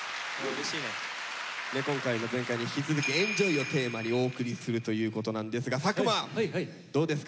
今回も前回に引き続き「ＥＮＪＯＹ」をテーマにお送りするということなんですが作間どうですか？